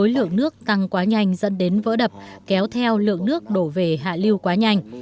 lượng nước tăng quá nhanh dẫn đến vỡ đập kéo theo lượng nước đổ về hạ lưu quá nhanh